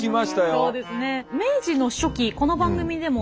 そうですね。